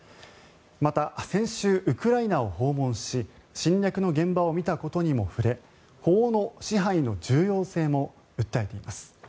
また、先週ウクライナを訪問し侵略の現場を見たことにも触れ法の支配の重要性も訴えています。